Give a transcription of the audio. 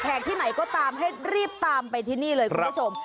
ที่ไหนก็ตามให้รีบตามไปที่นี่เลยคุณผู้ชม